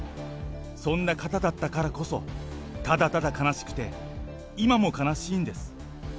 そんな方だったからこそ、ただただ悲しくて、今も悲しいんです。